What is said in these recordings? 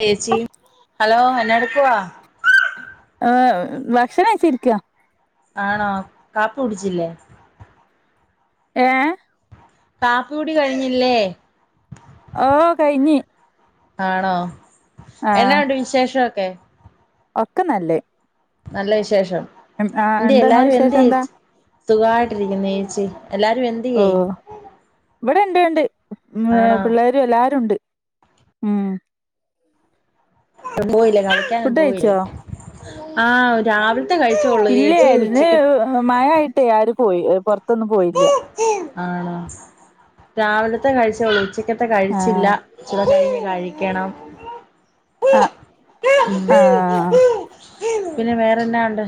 ചേച്ചി ഹലോ എന്ന എടുക്കുവാ ആഹ് ഭക്ഷണം കഴിച്ചിരിക്ക ആണോ കാപ്പി കുട്ച്ചില്ലേ? ഏഹ് കാപ്പി കുടി കഴിഞ്ഞില്ലേ? ഓ കയിഞ്ഞി. ആണോ എന്നാവുണ്ട് വിശേഷവൊക്കെ ഒക്ക നല്ല് നല്ല വിശേഷം ആഹ് എന്ത്യെ എന്താ ഇങ്ങളെ എല്ലാരും വിശേഷം എന്ത്യെ? എന്താ സുഖവായിട്ടിരിക്കുന്നു ഏച്ചി എല്ലാരും എന്ത്യേ? ഇവിടെണ്ട് ഉണ്ട് പിള്ളേ വ്ടെ ല്ലാരുണ്ട് ഉം പോയില്ലേ കളിക്കാനൊന്നും ഫുഡ് പോയില്ലേ കഴിച്ചോ ആഹ രാവിലെ ത്ത കഴിച്ചുകൊള്ളൂ ഏച്ചി ഉച്ചയ്ക്ക് മഴായിട്ടേ ആരും പോയി പൊറത്തൊന്നും പോയില്ല്യ ആണോ രാവിലത്തെ കഴിച്ചോള്ളൂ ഉച്ചക്കത്തെ കഴിച്ചില്ല ആഹ് ഉച്ചക്കാത്ത ഇഞ് കഴിക്കണം ആഹ് ഉം ആഹ് പിന്നെ വേറെന്നാ ഉണ്ട്?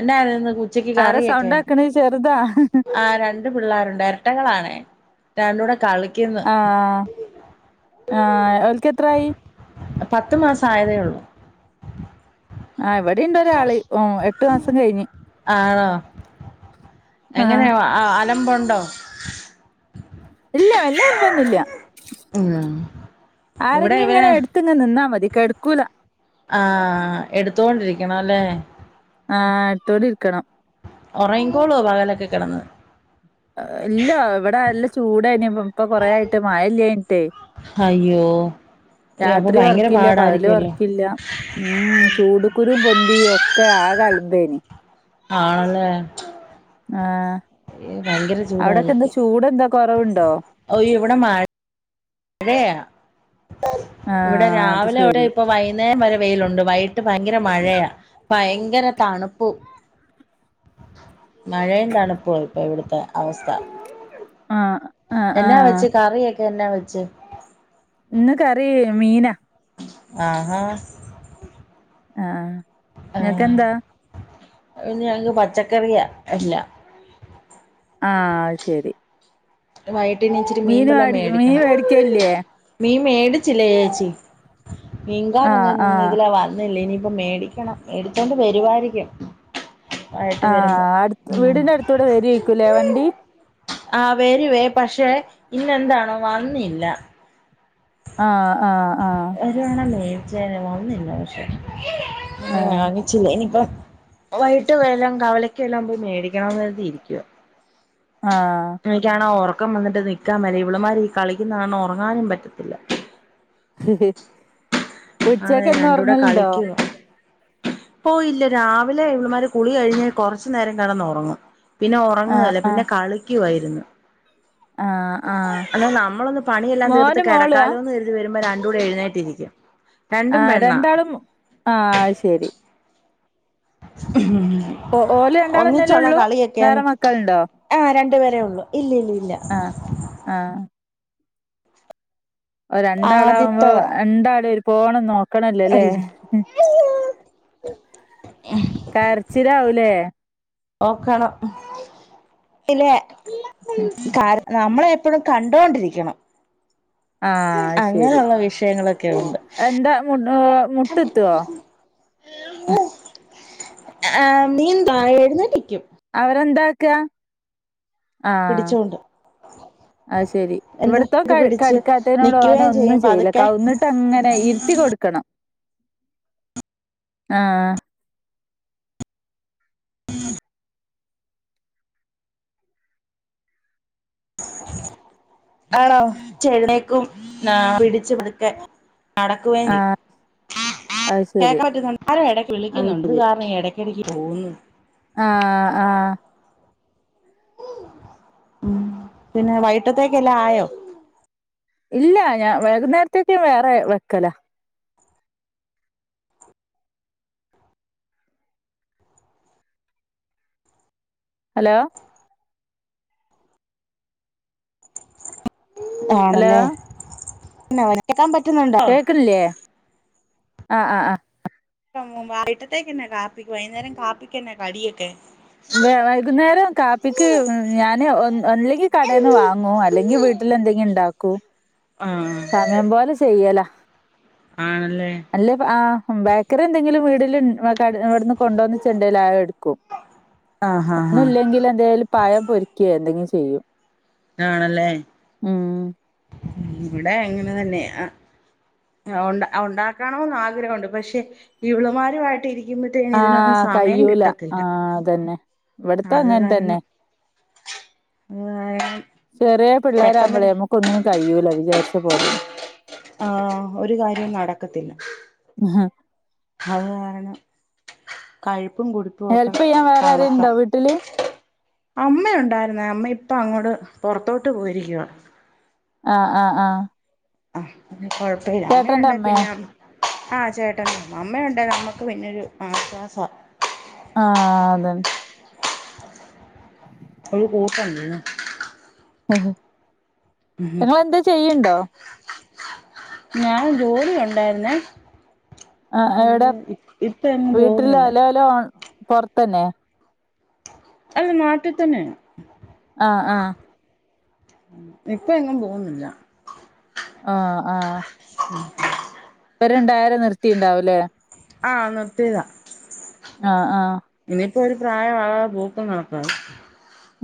എനായിരുന്നു ഇന്ന് ഉച്ചക്ക് ആരാ കറിയൊക്കെ? സൗണ്ട് ആക്കണ് ചെറുതാ ആ ര രണ്ടു പിള്ളേരുണ്ട് എര്ട്ടകളാണെ രണ്ടൂടെ കളി ആഹ് ആഹ് ഓൽക്കത്രായി? പത്ത്മാസം ആയതേ ഉള്ളൂ. ആയിവ ടിണ്ടൊരാള് ഓ എട്ടു മാസം കയിഞ്ഞ് ആണോ ആഹ ആ അലമ്പുണ്ടോ? ഇല്ല വല്ല്യ അല്മ്പോന്നുല്ല ഉം ഇവിടെ ആരെങ്കിം ഇവരെ ഇങ്ങനെ എട് ത്ത്ങ്ങനെ നിന്നാമതി കെട്ക്കൂല ആഹ് എടുത്തോണ്ടിരിക്കണം അല്ലേ? ആഹ് എട്ത്തോണ്ടിരിക്കണം. ഒറങ്ങിക്കോളോ പകലൊക്കെ കെടന്ന്? ഇല്ല ഇവിടെ ല്ല ചൂടേനി ഇപ്പം ഇപ്പൊ കൊറേയിട്ട് മഴല്ലേഞ്ഞിട്ടേയ് ഹയ്യോ രാത്രി ഒർക്കില്ല പകലു പാടായിരിക്കുവല്ലോ ഒർക്കില്ല ഉം ചൂടു കുരും പൊന്തി ഒക്കെ ആകൽമ്പേനി ആണല്ലെ ആഹ് അവ്ടൊക്കെന്താ ചൂടായിരിക്കും ചൂടെന്താ കൊറവുണ്ടോ ഓ ഇവിടെ മഴ ഴെയാ ഇവിടെ ആഹ് അത് രാവിലിവിടെ ശരി ഇപ്പ വൈ ന്നേരം വരെ വെയിലുണ്ട് വൈകീട്ട് ഭയങ്കര മഴയ, ഭയങ്കര തണുപ്പും. മഴയും തണുപ്പുവാ ഇപ്പോ ഇവിട്ത്തെ അവസ്ഥാ. ആഹ് ആഹ് എന്നാ ആഹ് വെച്ച് കറിയൊക്കെ എന്നാ വെച്ച്? ഇന്ന് കറി മീനാ ആഹാ ആഹ് ആ ഇങ്ങക്കെന്താ? ഇന്ന് ഞങ്ങക്ക് പച്ചക്കറിയാ എല്ലാം ആഹ് അത് ശരി വയ്യിട്ടെനി ഇച്ചിരി മീൻ മീന് വല്ലോം വേടി മീൻ മേടിക്കണം. വേടിക്കലില്ലേ മീ മേടിച്ചില്ല ചേച്ചി മീൻകാരൊന്നും ആഹ് ആഹ് ഇന്ന്തിലെ വന്ന് ന്നില്ല ഇനി ഇപ്പം മേടിക്കണം മേടിച്ചോണ്ട് വരുവായിരിക്കും വൈകിട്ട് വരുമ്പോ ആഹ് അടുത് ഉം വീടിന്റെ അട്ത്തൂടെ വെരുവായ്ക്കൂലെ വണ്ടി ആ് വെരുവേ പക്ഷേ ഇന്നെന്താണോ വന്നില്ലാ. ആഹ് ആഹ് ആഹ് വരുവാണേ മേടിച്ചേനെ വന്നില്ല പക്ഷെ വാങ്ങിച്ചില്ലാ ഇനിപ്പം വൈയ്യിട്ട് വെല്ലാം കവലക്ക് വെല്ലാം പോയി മേടിക്കണോന്ന് കരുതി ഇരിക്കുവാ ആഹ് എനിക്കാണോ ഒറക്കം വന്നിട്ട് നിക്കാൻ മേലാ ഇവള്മാര് ഈ കളിക്കുന്ന കാരണം ഒറങ്ങാനും പറ്റ് ആണ് ഉച്ചക്കെന്നാ രണ്ടൂടെ ഒറങ്ങല്ണ്ടോ കളിക്കുവാ ഓഹ് ഇല്ലാ രാവിലെ ഇവള്മാര് കുളി കഴിഞ്ഞാ കൊറച്ചു നേരം കെടന്നൊറങ്ങും പിന്നെ ആഹ് ഒറങ്ങുകേലാ പിന്നെ ആഹ് കളിക്കുവാ ഇരുന്ന് ആഹ് ആഹ് എന്നാ നമ്മളൊന്ന് പണിയെല്ലാം തീർത്ത് മോനും മോളുവാ കെടക്കാലോന്ന് കരുതി വരുമ്പോ രണ്ടും കൂടെ എഴുന്നേറ്റിരിക്കും രണ്ടും ആഹ് പെണ്ണാ രണ്ടാളും ആഹ് അയ് ശരി ഉ [inaudible] ഓ ഓല് രണ്ടാളെന്നല്ലേ ഇള്ളൂ വേറെ മക്കളുണ്ടോ ആഹ് രണ്ടുപേരേ ഒള്ളൂ ഇല്ല ഇല്ല ഇല്ല ആഹ് ആഹ് ഓഹ് രണ്ടാളാാവുമ്പോ ആദ്യത്തതാ രണ്ടാളേം ഒര് പോണം നോക്കണല്ലോല്ലേ അവിടിരി കരച്ചിലാവൂല്ലേ നോക്കണം ഇല്ലെ കര നമ്മളെ എപ്പഴും കണ്ടോണ്ടിരിക്കണം ആഹ് അത് അങ്ങനെയുള്ള വിഷയങ്ങളൊക്കെ ഉണ്ട് മുട് ഏഹ് മുട്ട്ത്തോ ആഹ് ആഹ് നീൻ ആഹ് എഴുന്നേറ്റ്ക്കും അവരെന്താക്കാ? ആഹ് പിടിച്ചോണ്ട് അത് ശെരി എന്താ ഇവിടത്തോൻ ക പിടിച്ച് കട്ക്കാത്തനോട് ഓൻ നിക്കുകയും ഒന്നും ചെയ്യും ചെയ്യില്ലാ പതുക്കെ കവന്ന് ട്ടങ്ങനെ ഇരുത്തി കൊടുക്കണം അ ആഹ് ആണോ ച്ചെഴ്നേക്കും ആഹ് പിടിച്ച് പതുക്കെ നടക്കുവേം ചെയ്യും അത് ശരി കേക്കാൻ പറ്റ്ന്ന് ആരോ എടയ്ക്ക് വിളിക്കുന്നുണ്ട് അതുകാരണം ഈ എടയ്ക്കെടക്ക് പോവ്ന്ന് ആഹ് ആഹ് ഉം പിന്നെ വൈയ്യിട്ടത്തേക്കെല്ലാം ആയോ? ഇല്ലാ ഞാൻ വൈകുന്നേരത്തേക്ക് ഞാൻ വേറെ വെക്കലാ ഹലോ ഹലോ ആണല്ലേ എന്നെ കെക്കാൻ പറ്റുന്നുണ്ടോ കേക്കില്ലേ ആഹ് ആഹ് ആഹ് [unintelligible] വഈട്ടത്തേക്ക് എന്നാ കാപ്പിക്ക് വൈന്നേരം കാപ്പിക്കെന്നാ കടിയൊക്കെ വ വൈകുന്നേരം കാപ്പിക്ക് ഞാന് ഒന്ന് ഒന്നുല്ലെങ്കി കടൽന്ന് വാങ്ങു അല്ലെങ്കി വീ ൽ എന്തെങ്കി ഉണ്ടാക്കു [inaudible] സമയം പോലെ ചെയ്യല ആണല്ലേ അല്ലേ ആഹ് ബേക്കറി എന്തെങ്കി വീടില്ൻ വെ ഇവിടുന്ന് കൊണ്ടുവന്ന് ചെണ്ടൽ ആ എടുക്കും ആഹ് ആഹ് ആഹ് ഒന്നുല്ലെങ്കില് എന്തേലു പഴം പൊരിക്കെ എന്തെങ്കി ചെയ്യും ആണല്ലേ ഉം ഇവിടെ അങ്ങനെ തന്നെഅ ഉണ്ടാ ഉണ്ടാക്കണന്ന് ആഗ്രഹുണ്ട് പക്ഷെ ഇവളുമാരുമായിട്ട് ഇരി ആഹ് കയ്യൂലആഹ് അതന്നെ ഇവിടത്ത അത് അങ്ങൻ തന്നെ കാരണം അത് കാരണം ചെറിയ പിള്ളേരാവുമ്പോളെ പെട്ടെന്ന് നമ്മുക്കൊന്നിനും കഴിയൂല വിചാരിച്ച പോലൊന്നും ആഹ് ഒരു കാര്യം നടക്കത്തില്ല ഉം അത് കാരണം കഴിപ്പും കൊടു ഹെൽപ് യ്യാൻ വേറെ ആരെലുണ്ടോ വീട്ടില് അമ്മയുണ്ടായിരുന്ന അമ്മ ഇപ്പം അങ്ങോട്ട് പുറത്തോട്ട് പോയിരിക്കുവാ ആഹ് ആഹ് ആഹ് അഹ് കുഴപ്പല്ല ചേട്ടന്റെ അമ്മണ്ടെ അമ്മേ പിന്നെ ആഹ് ചേട്ടൻ അമ്മയുണ്ടെ നമ്മക്ക് പിന്നെരു ആശ്വാസം ആഹ് അതെ ഒരു കൂർക്കേണ്ടെന്നു ഉം നിങ്ങളെന്തേ ചെയ്യണ്ടോ ഞാൻ ജോലി ഉണ്ടായിരുന്നേ അഹ് എവിടെ അയ്യോ ഇപ്പ എങ്ങും വീട്ടില് പോകുന്നില്ല അലല പോറത്തന്നെ അത് നാട്ടി തന്നെ ആഹ് ആഹ് ഇപ്പൊ എങ്ങും പോന്നില്ല ആഹ് ആഹ് ആഹ് ഒരണ്ടായിരം നിർത്തിണ്ടാവുല്ലേ ആഹ് നിർത്തിതാ ആഹ് ആഹ് ഇനിയിപ്പോ ഒരു പ്രായാകാതെ പൂക്കും കാണക്കാണ്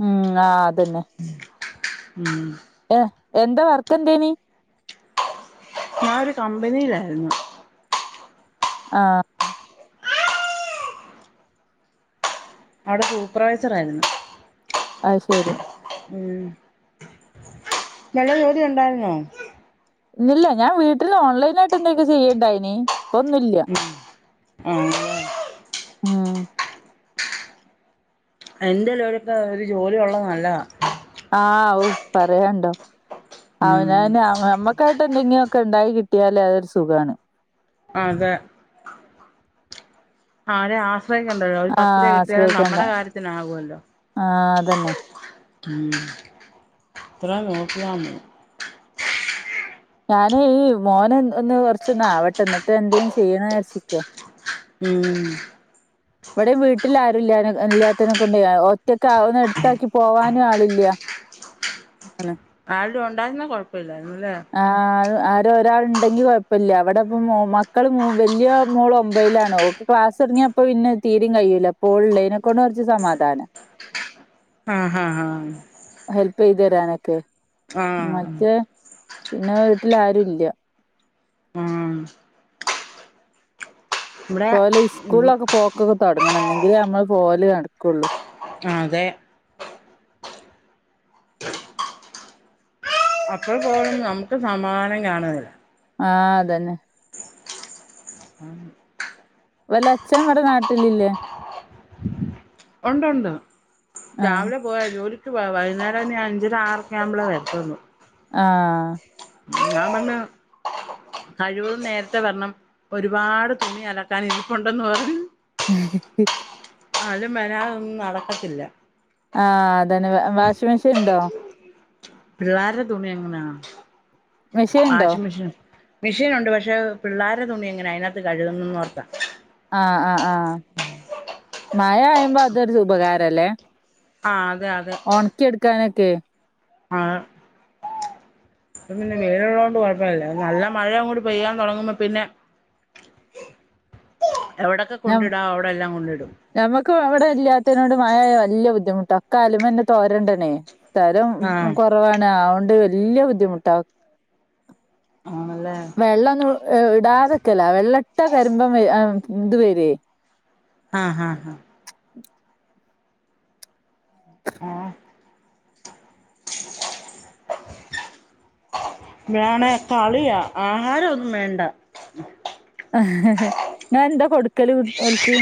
ഉം ആഹ് അതന്നെ ഉം ഏഹ് എന്താ വർക്കന്തേനി ഞാനോരു കമ്പനിയിലായിരുന്നു ആഹ് അവിടെ സൂപ്പർവൈസർ ആയിരുന്നു അ ശെരി ഉം നല്ല ജോലി ഉണ്ടായിര്ന്നോ ഇല്ല ഞാന് വീട്ടില് ഓൺലൈനായിട്ട് ന്തൊക്കെ ചെയ്യണ്ടായ്നി ഇപ്പൊന്നുല്ല ഉം ആണല്ലേ ആഹ് എന്റെ [unintelligible] ഒരു ജോലി ഒള്ളത് നല്ലതാ ആഹ് ആവ് പറയാണ്ടോ ഉം അവനാന് ആഹ് അമ്മക്ക് അമ്മക്കായിട്ട് എന്തെങ്കിലൊക്കെ ണ്ടായി കിട്ടിയാല് അതൊരു സുഖാണ് അതെ ആഹ് ര ആഹ് പ്പണ്ടല്ലോ ഒരു ആഹ് പത്തിര കിട്ടിയാലും ആശ്രയിക്കണ്ട. നമ്മുടെ കാര്യത്തിനാകുല്ലോ ആഹ് അതന്നെ. ഉം കൊറേ നോക്കിയാണ് ഞാന് ഈ മോന് ഒന്ന് കൊറച്ചൊന്ന് ആവട്ടെ എന്നിട്ട് എന്തേലും ചെയ്യണന്ന് ചാരിച്ചിക്ക ഉം ഇവിടെയും വീട്ടിൽ ആരും ഇല്ലനെ ഇല്ലാത്തനെ കൊണ്ടെയ് ഒറ്റക്കാവ് ന്ന് എട്ത്താക്കി പോവാനും ആളില്ല അന്നെ ആരേലും ഉണ്ടായിരുന്ന കൊയ്പ്പല്ലയ്രുന്നുല്ലേ ആഹ് ആരെ ഒരാള് ണ്ടെങ്കി കൊയ്പ്പല്ല വ്ടെപ്പോ മോ മക്കൾ മൂ വലിയ മോള് ഒമ്പയിലാണ് ഓക്ക് ക്ലാസ് തോട്ങ്ങിയപ്പ പിന്നെ തീരിം കയ്യൂല്ലപ്പോ ഓള് ഉള്ളതിനെക്കൊണ്ട് കുറച്ച് സമാധാന ആഹ് ആഹ് ആഹ് ഹെൽപെയ്തേരാനൊക്കെ ആഹ് പിന്നെ വീട്ടിൽ ആരുല്യ ഉം ഇവിടെ ഓല് സ്കൂളിലൊക്കെ പോക്കൊക്കെ തുടങ്ങണം ന്നെങ്കിലേ നമ്മള് പോക്ക് നടക്കുള്ളൂ അതെ മക്കൾ പോകും നമുക്ക് സമാധാനം കാണ്ല ആഹ് അതന്നെ അതാണ് ഓലച്ഛൻ ഇവടെ നാട്ടിലില്ലേ ഉണ്ടുണ്ട് ആഹ് രാവിലെ പോ പോയാ ജോലിക്ക് പോയാ വൈകുന്നേരം ഇനി അഞ്ചര ആറൊക്കെയാകുമ്പളേ വരത്തൊള്ളൂ ആഹ് ഞാൻ ബട്ന്ന് കഴിവതും നേരത്തെ വരണം ഒരുപാട് തുണി അലക്കാനിരിപ്പുണ്ടെന്ന് പറഞ്ഞു ഹി-ഹി-ഹി ആള് മെനാതൊന്നും നടക്കത്തില്ല ആഹ് അതന്നെ വാഷിംഗ് മെഷീന്ണ്ടോ പിള്ളാര്ടെ തുണിയെങ്ങനാ മെഷീൻ ഉണ്ടോ വാഷിംഗ് മെഷീന്ണ്ട് മെഷീനുണ്ട് പക്ഷേ പിള്ളാരെ തുണിയെങ്ങനാ അയിനകത്ത് കഴുകുന്നെന്നോർത്താ ആഹ് ആഹ് ആഹ് മഴയായ്മ്പൊ അതൊരു ഉപകാരല്ലേ ആഹ് അതെയതെ ഉണക്കി എടുക്കാനൊക്കെ അതെ ഇപ്പപ്പിന്നെ വെയിലുള്ളൊണ്ട് കൊയ്പ്പല്ലല്ലോ നല്ല മഴയങ്ങോട്ട് പെയ്യാൻ തൊടങ്ങുമ്പോ പ്പിന്നെ എവിടൊക്കെ കൊണ്ടിടാവോ അവിടെല്ലാം കൊണ്ടിടും നമ്മുക്ക് അവിടെ ഇല്ലാത്തിനോട് മഴയായ വല്യ ബുദ്ധിമുട്ടാ ഒക്കെ അയലുമ്മെന്നെ തോരിടണേയ് സ്ഥലും ആ കൊറവാണ് അതൊണ്ട് വല്യ ബുദ്ധിമുട്ടാ ആണല്ലേ വെള്ളൊന്നും ഇടാത്ക്കല്ല വെള്ള്ട്ടാ കര്മ്പൻ വെരും ഇത് വെരയ്‌ ആഹ് ആഹ് ആഹ് [inaudible] ഏഹ് വേണെ കളിയാ ആഹാരൊന്നും വേണ്ട അഹ് ഇങ്ങളെന്താ കൊടുക്കല് ഓൽക്ക്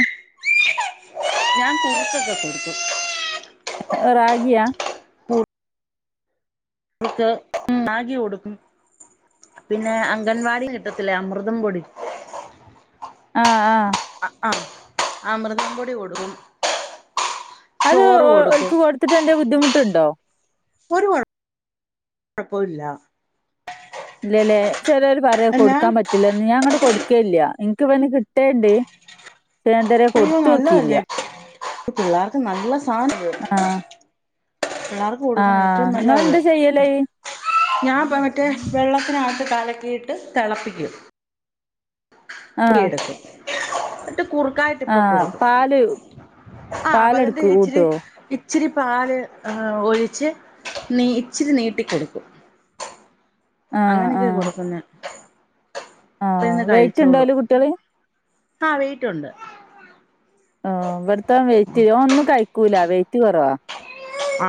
ഞാൻ കുറിച്ചൊക്കെ കൊട്ക്കും റാഗിയാ കുറുക്ക് റാഗി കൊടുക്കും പിന്നെ അംഗൻവാടിന്ന് കിട്ടത്തില്ലേ അമൃതംപൊടി ആഹ് ആഹ് ആഹ് ആഹ് അമൃതംപൊടി കൊട്ക്കും അത് ഓൽക്ക് കൊട്ത്തിട്ടെന്തേ ബുദ്ധിമുട്ട്ണ്ടോ ഒരുകൊഴ കൊഴപ്പുല്ല ഇല്ലല്ലേ ചെലര് പറയ എന്നാ കൊട്ക്കാൻ പറ്റില്ലന്ന് ഞാഅങ്ങ്ണ്ട് കൊട്ക്കെയില്ല എനിക്ക്വ്ട്ന്ന് കി ട്ടേണ്ട് പക്ഷെന്തറിയോ കൊട്ത്തോക്കിയില്ല ഇപ്പൊ പിള്ളേർക്ക് നല്ല സാധന്ണ്ട് ആഹ് പിള്ളേർക്ക് കൊട്ക്ക്ണ ആഹ് ഏറ്റവും നല്ലതാ അത് ഇങ്ങളെന്താ ചെയ്യല്? ഞാൻ ഇപ്പ മറ്റേ വെള്ളത്തിനകത്ത് കലക്കിയിട്ട് തെളപ്പിക്കും ആഹ് കുറുക്കിയെടുക്കും ട്ട് കുറുക്കായിട്ടിപ്പൊ ആഹ് കൊടുക്കും പാല് ആ അപ്പതിന്റെ പാലെടുക്കോ ഇച്ചിരി കൂട്ടോ? ഇച്ചിരി പാല് ഒഴിച്ച് നീ ഇച്ചിരി നീട്ടിക്കൊടുക്കും ആഹ് അങ്ങനെയൊക്കെയാ ആഹ് കൊടുക്കുന്നെ ആഹ് ഇപ്പിര്ന്ന് കഴിച്ചോളും വെയിറ്റ്ണ്ടോല് കുട്ട്യാള്? ആഹ് വെയ്റ്റുണ്ട് ഇവ്ടത്തവൻ വെയ്റ്റ് ഓനൊന്നും കഴിക്കൂല വെയ്റ്റ് കൊറവാ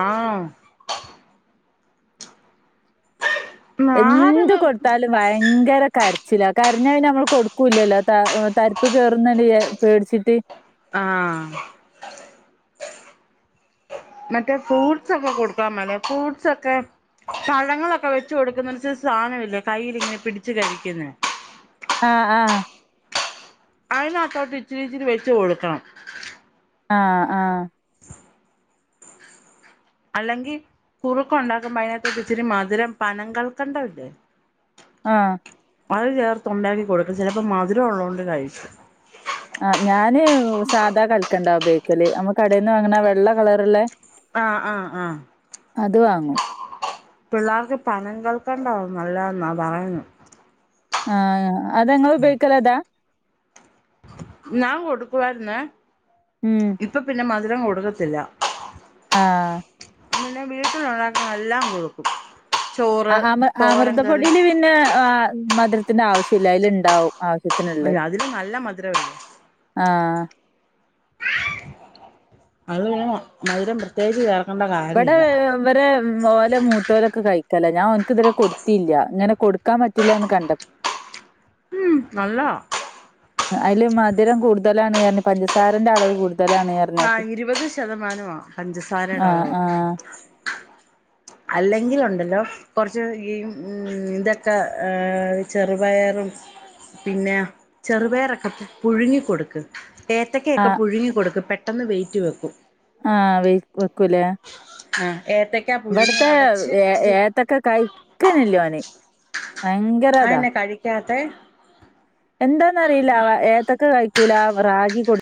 ആഹ് എന്ത് ആഹാരൊക്കെ കൊട്ത്താലും ഭയങ്കര കരച്ചിലാ കരഞ്ഞയിഞ്ഞാ നമ്മള് കൊടു ക്കുല്ലല്ലോ തരിപ്പ് കേയറുന്നട് പേടിച്ചിട്ട് ആഹ് മറ്റേ ഫ്രൂട്ട്സ് ഒക്കെ കൊടുക്കാൻ മേലെ ഫ്രൂട്ട്സ് ഒക്കെ പഴങ്ങളൊക്കെ വെച്ചു കൊടുക്കുന്നര് സാധനമില്ലെ കയ്യിലിങ്ങനെ പിടിച്ചു കഴിക്കുന്ന ആഹ് ആഹ് അതിനകത്തോട്ട് ഇച്ചിരി ഇച്ചിരി വെച്ച് കൊടുക്കണം ആഹ് ആഹ് അല്ലെങ്കിൽ കുറുക്കണ്ടാക്കുമ്പോ അതിനകത്ത് ഇത്തിരി മധുരം പനം കൽ ക്കണ്ടമില്ലേ ആഹ് അത് ചേർത്ത് ഉണ്ടാക്കി കൊടുക്ക് ചിലപ്പോ മധുരംള്ളത് കൊണ്ട് കഴിക്കും ആ ഞാന് സാധാ കളിക്കണ്ടാ ഉപയോഗിക്കല് നമ്മുക്കടെന്ന് വാങ്ങണ വെള്ള കളറ്ള്ള ആഹ് ആഹ് ആഹ് അത് വാങ്ങും പിള്ളേർക്ക് പനം കൽക്കണ്ടാവ നല്ലന്നാ പറയുന്നെ ആഹ് അതങ്ങള് ഉപയോഗിക്കല് അതാ ഞാൻ കൊടുക്കുവാരുന്നേ ഉം ഇപ്പം പിന്നെ മധുരം കൊടുക്കത്തില്ല ആഹ് പിന്നെ വീട്ടിൽ ഉണ്ടാകുന്ന എല്ലാം കൊടുക്കും ആ ചോറ് അമൃ തോരൻ കറി അമൃതപ്പൊടിൽ പിന്നെ മധുരത്തിന്റെ ആവശ്യല്ല അതിൽ ഉണ്ടാവും ആവശ്യ അ അതില് നല്ല മധുരമല്ലേ ആഹ് അതിൽ പിന്നെ മധുരം പ്രത്യേകിച്ച് ചേർക്കണ്ട ഇവിടെ ഇവരെ ഓല മൂത്തോലൊക്കെ കഴിക്കല ഞാൻ ഒന് ക്ക് ഇതുവരെ കൊടുത്തില്ല ഇങ്ങനെ കൊടുക്കാൻ പറ്റില്ല എന്ന് കണ്ട ഉം നല്ലതാ അതില് മധുരം കൂടുലാണ് പറഞ്ഞ് പ ഞ്ചസാരന്റെ അളവ് കൂടുതൽ ആഹ് ഇരുപത് ശതമാനമാ പഞ്ചസാരയുടെ അളവ് ആഹ് അല്ലെങ്കിലുണ്ടല്ലോ കുറച്ച് ഈ ഇതൊക്കെ ചെറുപയറും പിന്നെ ചെറുപഴറ് ഒക്കെ പുഴുങ്ങി കൊടുക്ക് ഏത്തക്കക്കെ ആ ഒകെ പുഴുങ്ങി കൊടുക്ക് പെട്ടെന്ന് വെയിറ്റ് വെക്കും ആഹ് വൈറ്റ് വെക്കൂലേ ആഹ് ഏത്ത ഇവിടുത്തെ ഏത്തക്ക കഴിക്കന്നെ ഇല്ല ഓന് അതെന്ന കഴിക്കാത്തെ എന്താന്നറിയില്ല അവ ഏത്തക്ക കൈക്കൂല റാഗി കൊടു